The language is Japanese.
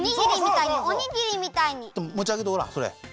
もちあげてごらんそれ。